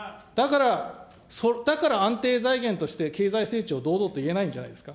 だから安定財源として経済成長を堂々と言えないんじゃないですか。